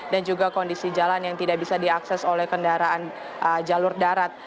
dan juga kondisi jalan yang tidak bisa diakses oleh kendaraan jalur darat